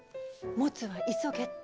モツは急げって。